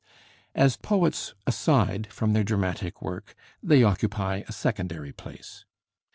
As poets, aside from their dramatic work, they occupy a secondary place.